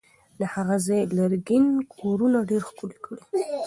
د هغه ځای لرګین کورونه ډېر ښکلي دي.